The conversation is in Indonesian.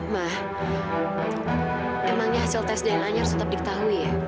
mah emangnya hasil tes dna nya harus tetap diketahui ya